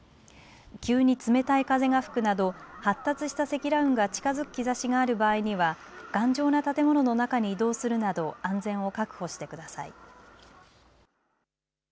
急に冷たい風が吹くなど発達した積乱雲が近づく兆しがある場合には頑丈な建物の中に移動するなど安全を確保してください。